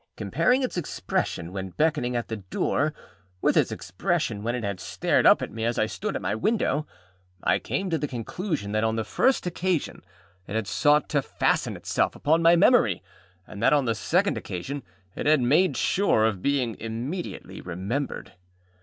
Comparing its expression when beckoning at the door with its expression when it had stared up at me as I stood at my window, I came to the conclusion that on the first occasion it had sought to fasten itself upon my memory, and that on the second occasion it had made sure of being immediately remembered.